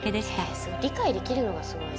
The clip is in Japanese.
理解できるのがすごい。